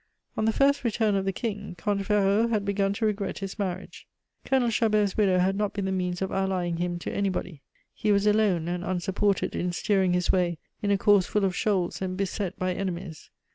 On the first return of the King, Comte Ferraud had begun to regret his marriage. Colonel Chabert's widow had not been the means of allying him to anybody; he was alone and unsupported in steering his way in a course full of shoals and beset by enemies.